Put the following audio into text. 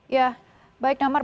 ya baik damar